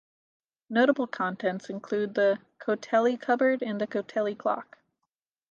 Notable contents include the Cotehele cupboard and the Cotehele clock.